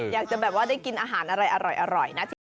อยากจะแบบว่าได้กินอาหารอะไรอร่อยนะจริง